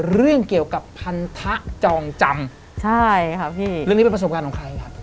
เรื่องเกี่ยวกับพันธะจองจำใช่ค่ะพี่เรื่องนี้เป็นประสบการณ์ของใครครับ